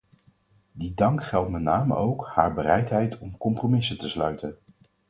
Die dank geldt met name ook haar bereidheid om compromissen te sluiten.